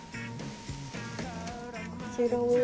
こちらを。